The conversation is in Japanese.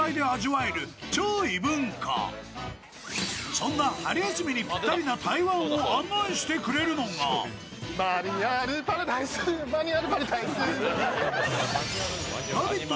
そんな春休みにぴったりな台湾を案内してくれるのが「ラヴィット！」